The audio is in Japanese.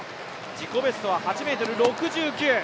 自己ベストは８ｍ６９。